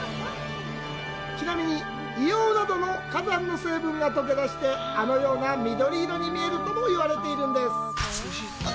ちなみに、硫黄などの火山の成分が溶け出してあのような緑色に見えるとも言われています。